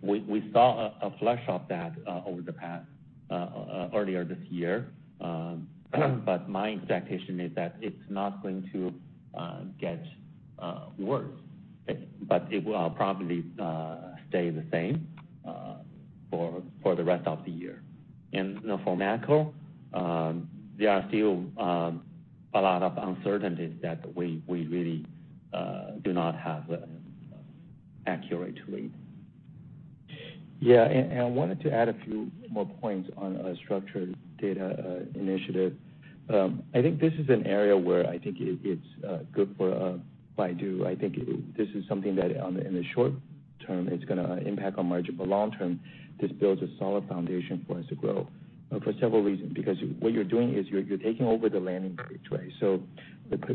we saw a flush of that earlier this year. My expectation is that it's not going to get worse, but it will probably stay the same for the rest of the year. For macro, there are still a lot of uncertainties that we really do not have accurately. I wanted to add a few more points on a structured data initiative. I think this is an area where I think it's good for Baidu. I think this is something that in the short term, it's going to impact our margin. Long term, this builds a solid foundation for us to grow for several reasons, because what you're doing is you're taking over the landing page, right?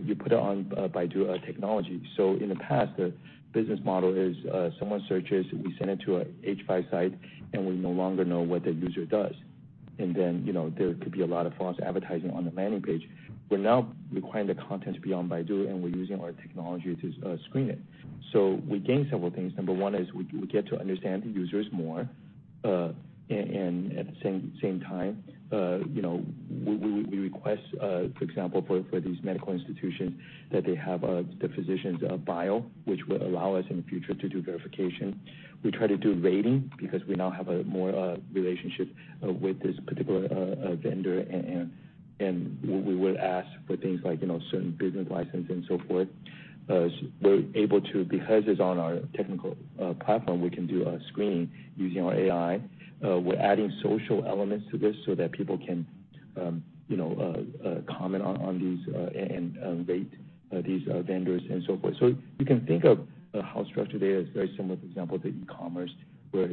You put it on Baidu technology. In the past, the business model is someone searches, we send it to an H5 site, and we no longer know what the user does. Then, there could be a lot of false advertising on the landing page. We're now requiring the content to be on Baidu, and we're using our technology to screen it. We gain several things. Number one is we get to understand the users more. At the same time, we request, for example, for these medical institutions, that they have the physician's bio, which will allow us in the future to do verification. We try to do rating because we now have more relationship with this particular vendor, and we will ask for things like certain business license and so forth. We're able to, because it's on our technical platform, we can do a screening using our AI. We're adding social elements to this so that people can comment on these and rate these vendors and so forth. You can think of how structured data is very similar, for example, to e-commerce, where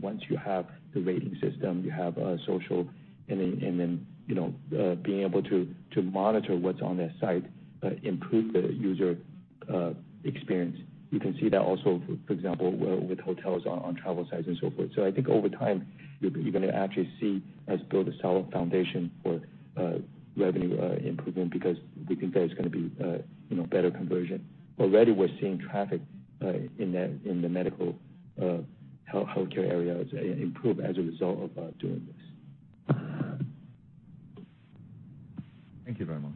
once you have the rating system, you have social, and then being able to monitor what's on that site improve the user experience. You can see that also, for example, with hotels on travel sites and so forth. I think over time, you're going to actually see us build a solid foundation for revenue improvement because we think there's going to be better conversion. Already, we're seeing traffic in the medical healthcare area improve as a result of doing this. Thank you very much.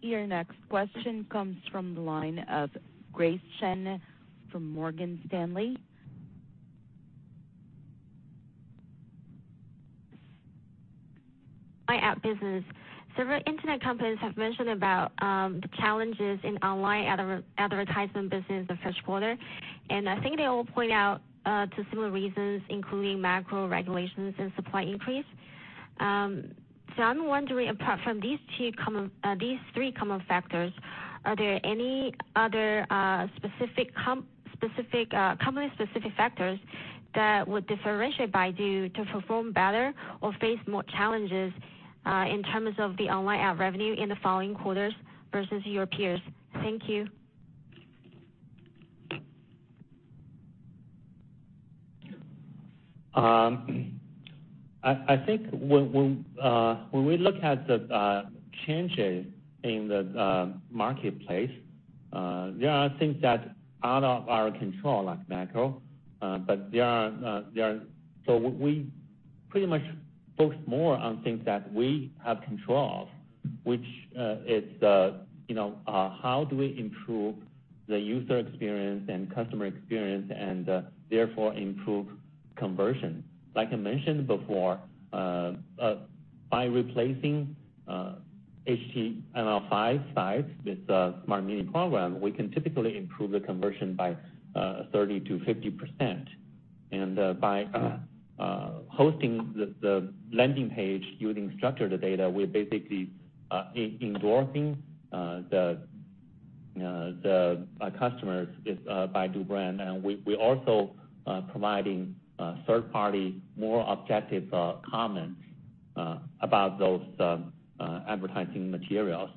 Your next question comes from the line of Grace Chen from Morgan Stanley. My app business. Several internet companies have mentioned about the challenges in online advertisement business the first quarter, and I think they all point out to similar reasons, including macro regulations and supply increase. I'm wondering, apart from these three common factors, are there any other company-specific factors that would differentiate Baidu to perform better or face more challenges in terms of the online ad revenue in the following quarters versus your peers? Thank you. I think when we look at the changes in the marketplace, there are things that are out of our control, like macro. We pretty much focus more on things that we have control of, which is how do we improve the user experience and customer experience and therefore improve conversion. I mentioned before, by replacing HTML5 sites with Smart Mini Program, we can typically improve the conversion by 30%-50%. By hosting the landing page using structured data, we're basically endorsing the customers with Baidu brand. We're also providing third-party, more objective comments about those advertising materials.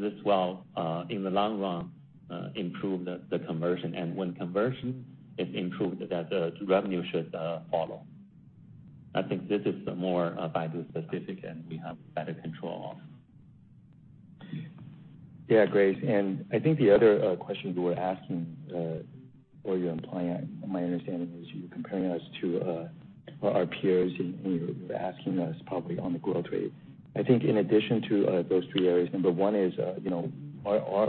This will, in the long run, improve the conversion. When conversion is improved, the revenue should follow. I think this is more Baidu specific, and we have better control of. Grace, I think the other question you were asking, or you're implying, my understanding was you're comparing us to our peers and you're asking us probably on the growth rate. I think in addition to those three areas, number 1 is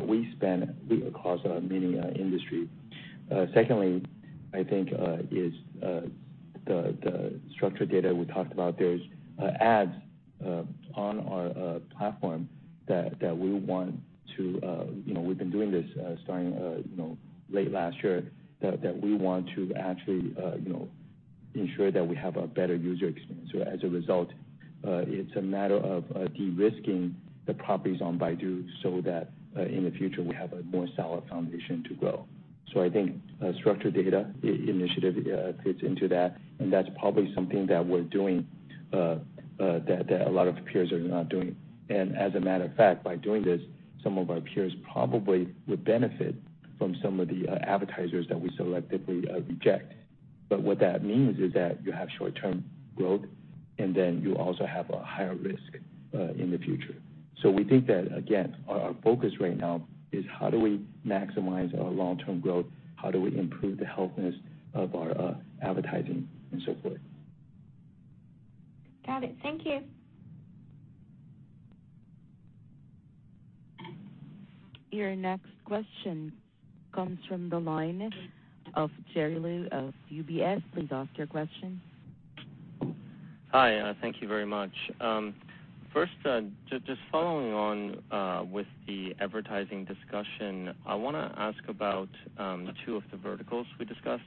we spend across many industries. Secondly, I think is the structured data we talked about. There's ads on our platform. We've been doing this starting late last year, that we want to actually ensure that we have a better user experience. As a result, it's a matter of de-risking the properties on Baidu so that in the future, we have a more solid foundation to grow. I think structured data initiative fits into that, and that's probably something that we're doing that a lot of peers are not doing. As a matter of fact, by doing this, some of our peers probably would benefit from some of the advertisers that we selectively reject. What that means is that you have short-term growth, and then you also have a higher risk in the future. We think that, again, our focus right now is how do we maximize our long-term growth, how do we improve the healthiness of our advertising, and so forth. Got it. Thank you. Your next question comes from the line of Jerry Liu of UBS. Please ask your question. Hi. Thank you very much. First, just following on with the advertising discussion, I want to ask about two of the verticals we discussed.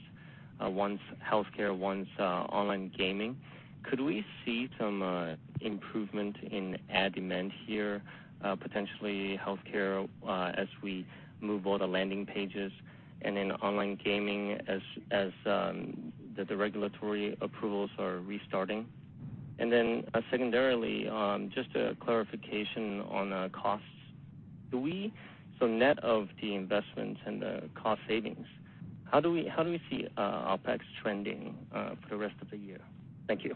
One's healthcare, one's online gaming. Could we see some improvement in ad demand here, potentially healthcare as we move all the landing pages, and in online gaming as the regulatory approvals are restarting? Secondarily, just a clarification on costs. Net of the investments and the cost savings, how do we see OPEX trending for the rest of the year? Thank you.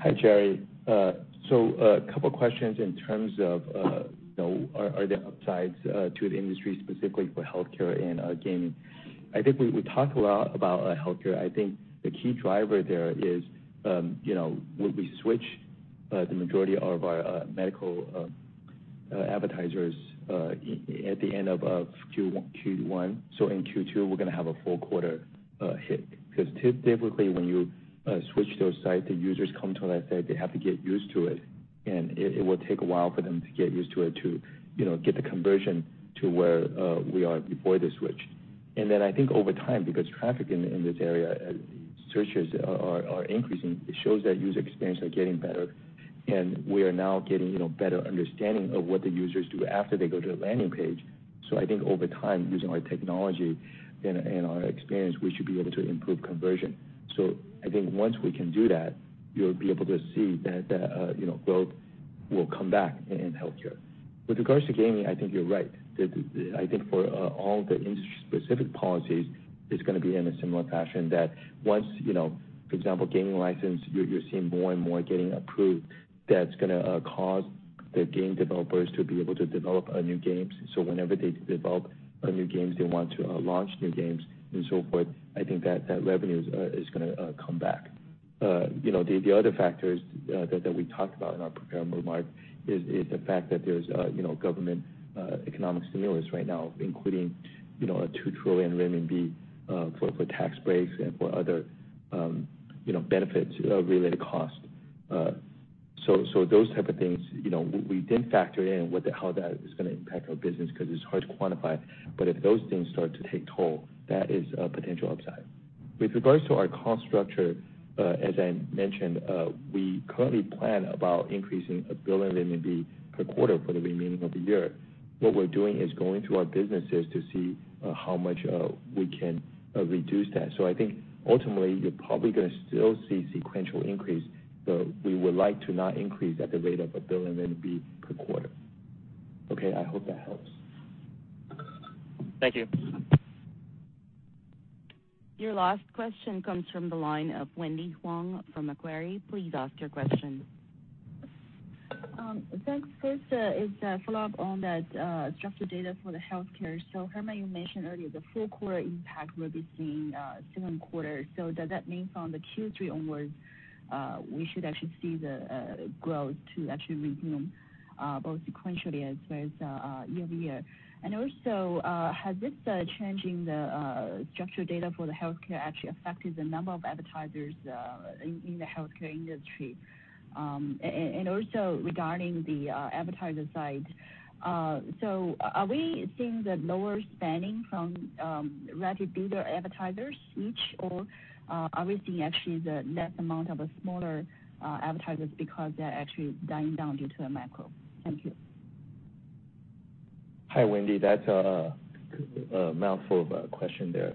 Hi, Jerry. A couple of questions in terms of are there upsides to the industry, specifically for healthcare and gaming? I think we talked a lot about healthcare. I think the key driver there is we switch the majority of our medical advertisers at the end of Q1. In Q2, we're going to have a full quarter hit, because typically when you switch those sites, the users come to that site, they have to get used to it, and it will take a while for them to get used to it to get the conversion to where we are before the switch. I think over time, because traffic in this area, searches are increasing, it shows that user experience are getting better, and we are now getting better understanding of what the users do after they go to the landing page. I think over time, using our technology and our experience, we should be able to improve conversion. I think once we can do that, you'll be able to see that growth will come back in healthcare. With regards to gaming, I think you're right. I think for all the industry-specific policies, it's going to be in a similar fashion that once, for example, gaming license, you're seeing more and more getting approved. That's going to cause the game developers to be able to develop new games. Whenever they develop new games, they want to launch new games and so forth. I think that revenue. The other factors that we talked about in our prepared remarks is the fact that there's government economic stimulus right now, including 2 trillion renminbi for tax breaks and for other benefits-related costs. Those type of things, we didn't factor in how that is going to impact our business because it's hard to quantify. If those things start to take toll, that is a potential upside. With regards to our cost structure, as I mentioned, we currently plan about increasing 1 billion RMB per quarter for the remaining of the year. What we're doing is going through our businesses to see how much we can reduce that. I think ultimately, you're probably going to still see sequential increase, though we would like to not increase at the rate of 1 billion per quarter. Okay. I hope that helps. Thank you. Your last question comes from the line of Wendy Huang from Macquarie. Please ask your question. Thanks. First, it's a follow-up on that structured data for the healthcare. Herman, you mentioned earlier the full quarter impact will be seen second quarter. Does that mean from the Q3 onwards, we should actually see the growth to actually resume both sequentially as well as year-over-year? Has this changing the structured data for the healthcare actually affected the number of advertisers in the healthcare industry? Regarding the advertiser side, are we seeing the lower spending from revenue builder advertisers switch, or are we seeing actually the net amount of smaller advertisers because they're actually dying down due to the macro? Thank you. Hi, Wendy. That's a mouthful of a question there.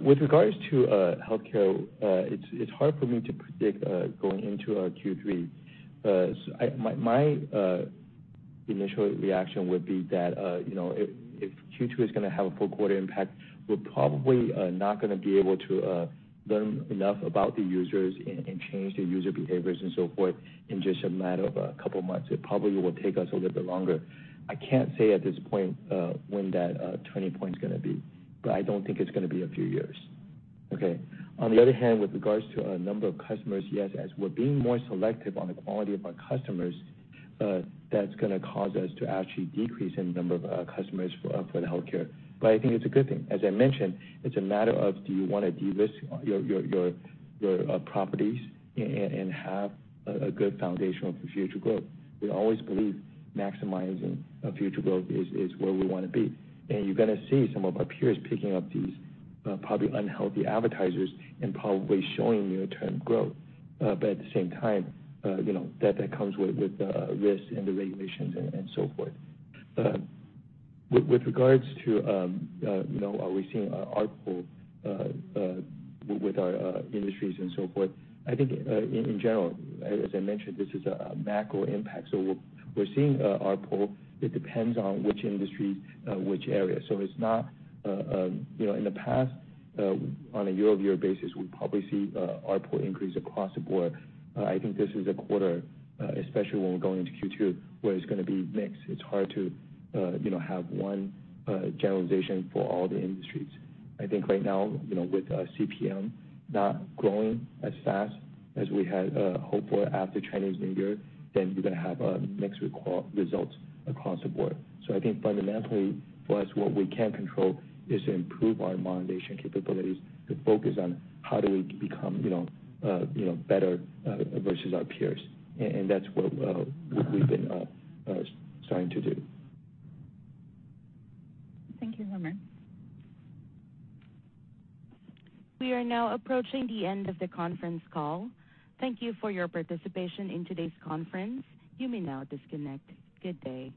With regards to healthcare, it's hard for me to predict going into our Q3. My initial reaction would be that if Q2 is going to have a full quarter impact, we're probably not going to be able to learn enough about the users and change the user behaviors and so forth in just a matter of a couple of months. It probably will take us a little bit longer. I can't say at this point when that turning point's going to be, but I don't think it's going to be a few years. Okay. On the other hand, with regards to our number of customers, yes, as we're being more selective on the quality of our customers, that's going to cause us to actually decrease in number of customers for the healthcare. I think it's a good thing. As I mentioned, it's a matter of do you want to de-risk your properties and have a good foundation for future growth? We always believe maximizing future growth is where we want to be. You're going to see some of our peers picking up these probably unhealthy advertisers and probably showing near-term growth. At the same time, that comes with risks and the regulations and so forth. With regards to are we seeing ARPU with our industries and so forth, I think in general, as I mentioned, this is a macro impact. We're seeing ARPU. It depends on which industry, which area. In the past, on a year-over-year basis, we probably see ARPU increase across the board. I think this is a quarter, especially when we're going into Q2, where it's going to be mixed. It's hard to have one generalization for all the industries. I think right now, with our CPM not growing as fast as we had hoped for after Chinese New Year, then you're going to have mixed results across the board. I think fundamentally for us, what we can control is to improve our monetization capabilities, to focus on how do we become better versus our peers. That's what we've been starting to do. Thank you, Herman. We are now approaching the end of the conference call. Thank you for your participation in today's conference. You may now disconnect. Good day.